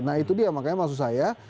nah itu dia makanya maksud saya